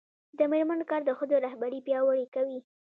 د میرمنو کار د ښځو رهبري پیاوړې کوي.